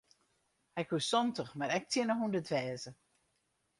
Hy koe santich mar ek tsjin de hûndert wêze.